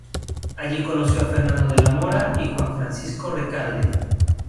Allí conoció a Fernando de la Mora y Juan Francisco Recalde.